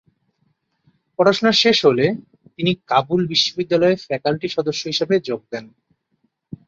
পড়াশোনা শেষ হলে তিনি কাবুল বিশ্ববিদ্যালয়ে ফ্যাকাল্টি সদস্য হিসেবে যোগ দেন।